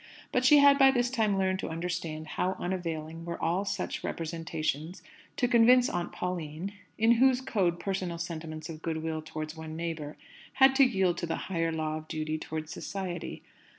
But she had by this time learned to understand how unavailing were all such representations to convince Aunt Pauline, in whose code personal sentiments of goodwill towards one's neighbour had to yield to the higher law of duty towards "Society."